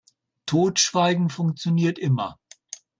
Totschweigen funktioniert immer.